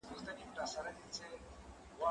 زه بايد سبزیجات وچوم؟